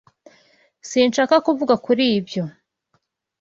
Sinshaka kuvuga kuri ibyo.